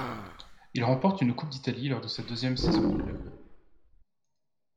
Il remporte une coupe d'Italie lors de sa deuxième saison au club.